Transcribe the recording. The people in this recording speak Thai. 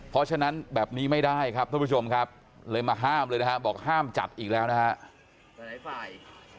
เพราะฉะนั้นแบบนี้ไม่ได้ครับท่านผู้ชมครับเลยมาห้ามเลยนะฮะบอกห้ามจัดอีกแล้วนะฮะ